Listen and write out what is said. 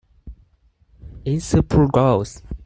In Super Gals!